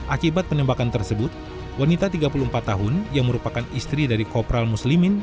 akibat penembakan tersebut wanita tiga puluh empat tahun yang merupakan istri dari kopral muslimin